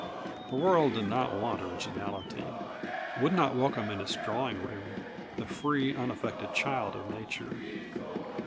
The world did not want originality; would not welcome in its drawing room the free, unaffected child of nature.